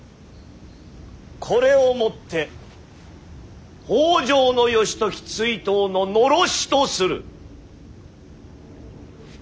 これをもって北条義時追討の狼煙とする。